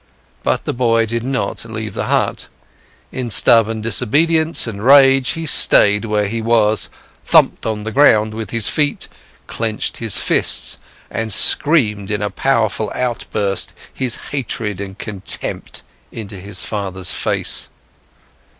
But the boy did not leave the hut, in stubborn disobedience and rage he stayed where he was, thumped on the ground with his feet, clenched his fists, and screamed in a powerful outburst his hatred and contempt into his father's face.